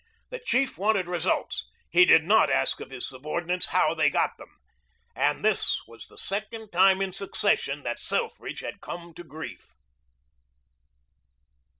The chief wanted results. He did not ask of his subordinates how they got them. And this was the second time in succession that Selfridge had come to grief.